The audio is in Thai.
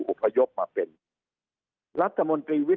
สุดท้ายก็ต้านไม่อยู่